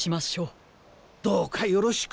どうかよろしく。